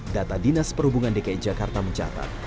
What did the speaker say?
data dinas perhubungan dki jakarta mencatat